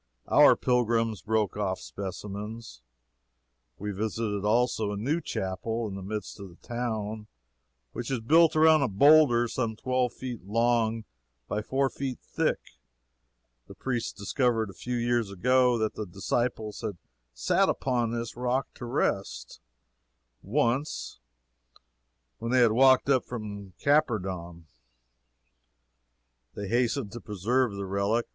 Our pilgrims broke off specimens. We visited, also, a new chapel, in the midst of the town, which is built around a boulder some twelve feet long by four feet thick; the priests discovered, a few years ago, that the disciples had sat upon this rock to rest, once, when they had walked up from Capernaum. They hastened to preserve the relic.